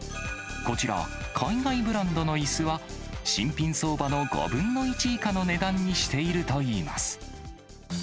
こちら、海外ブランドのいすは、新品相場の５分の１以下の値段にしているといいます。